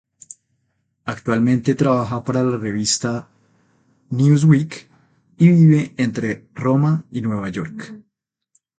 Actualmente trabaja para la revista "Newsweek" y vive entre Roma y Nueva York.